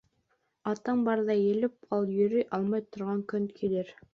Атың барҙа елеп ҡал, йөрөй алмай торған көн килер.